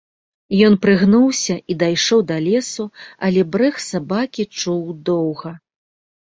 Ён прыгнуўся і дайшоў да лесу, але брэх сабакі чуў доўга.